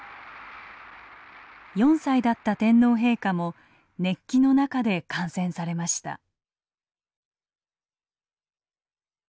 ４歳だった天皇陛下も熱気の中で観戦されました。